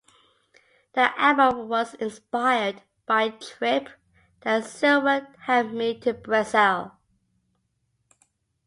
The album was inspired by a trip that Silver had made to Brazil.